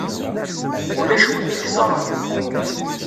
Ulac win i yeẓṛan.